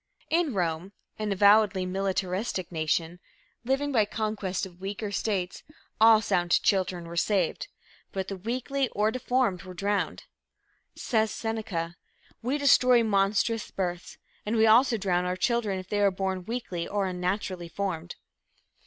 In Rome, an avowedly militaristic nation, living by conquest of weaker states, all sound children were saved. But the weakly or deformed were drowned. Says Seneca: "We destroy monstrous births, and we also drown our children if they are born weakly or unnaturally formed."